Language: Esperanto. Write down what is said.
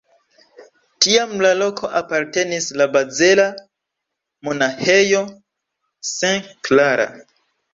Tiam la loko apartenis la bazela Monaĥejo St. Clara.